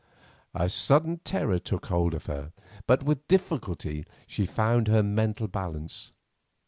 A sudden terror took hold of her, but with difficulty she found her mental balance.